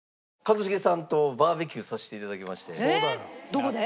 どこで？